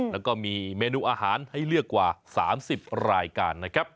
แล้วก็มีเมนูอาหารให้เลือกกว่า๓๐รายการนะครับ